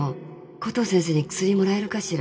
コトー先生に薬もらえるかしら？